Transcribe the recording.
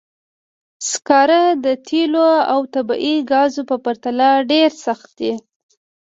سکاره د تېلو او طبیعي ګازو په پرتله ډېر سخت دي.